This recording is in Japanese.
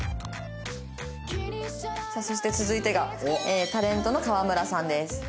さあそして続いてがタレントの河村さんです。